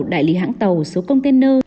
đại lý hãng tàu số container